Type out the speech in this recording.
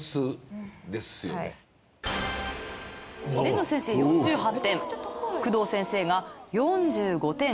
辨野先生４８点工藤先生が４５点。